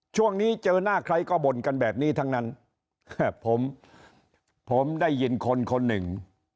ช่วงนี้เจอหน้าใครก็บ่นกันแบบนี้ทั้งนั้นผมผมได้ยินคนคนหนึ่ง